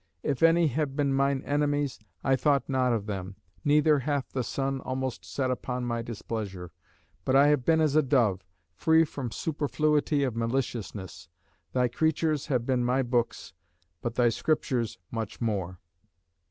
If any have been mine enemies, I thought not of them; neither hath the sun almost set upon my displeasure; but I have been as a dove, free from superfluity of maliciousness. Thy creatures have been my books, but thy Scriptures much more.